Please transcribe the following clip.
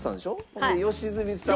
ほんで良純さん。